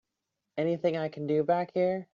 Anything I can do back here?